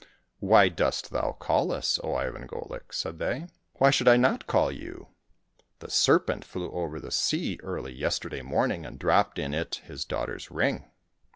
" Why dost thou call us, O Ivan Golik ?" said they. " Why should I not call you ? The serpent flew over the sea early yesterday morning and dropped in it his daughter's ring.